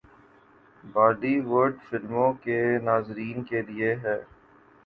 بالی would فلموں کے ناظرین کے لئے ہیں